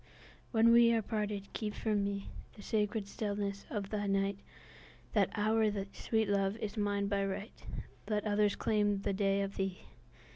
When we are parted, keep for meThe sacred stillness of the night; That hour, sweet Love, is mine by right; Let others claim the day of thee!